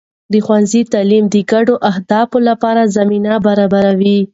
د ښوونځي تعلیم د ګډو اهدافو لپاره زمینه برابروي.